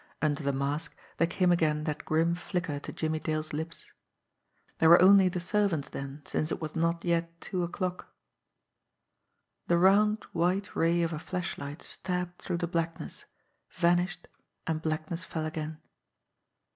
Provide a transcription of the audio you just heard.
Under the mask there came again that grim flicker to Jimmie Dale's lips. There were only the servants then since it was not yet two o'clock I The round, white ray of a flashlight stabbed through the blackness, vanished, and blackness fell again.